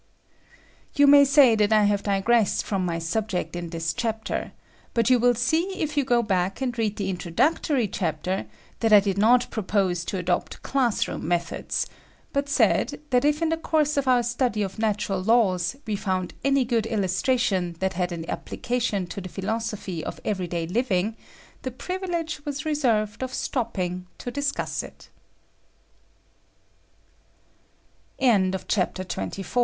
You may say that I have digressed from my subject in this chapter, but you will see if you go back and read the introductory chapter that I did not propose to adopt class room methods; but said that if in the course of our study of natural laws we found auy good illus tration that had an application to the philos ophy of every day living, the privilege w